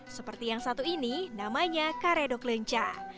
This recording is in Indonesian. seperti yang satu ini namanya karedok lenca